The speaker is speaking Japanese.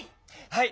はい！